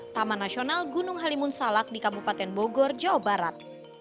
taman nasional gunung halimun salak di kabupaten bogor jawa barat